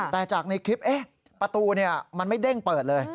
แต่จากในคลิปประตูมันไม่เด้งเปิดเลย